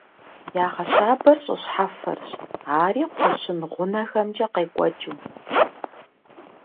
Ягъэщабэр щӏы щхьэфэрщ, ари кхъуэщын гъунэхэмкӏэ къекӏуэкӏыу.